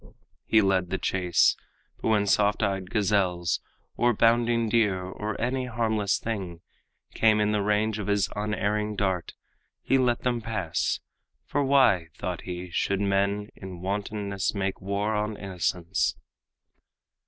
He led the chase, but when soft eyed gazelles Or bounding deer, or any harmless thing, Came in the range of his unerring dart, He let them pass; for why, thought he, should men In wantonness make war on innocence?